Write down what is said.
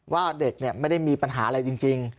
ว่าเด็กไม่ได้มีปัญหาอะไรจริง